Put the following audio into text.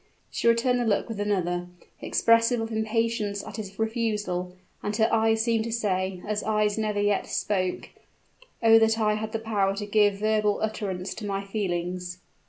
She returned the look with another, expressive of impatience at his refusal: and her eyes seemed to say, as eyes never yet spoke, "Oh, that I had the power to give verbal utterance to my feelings!"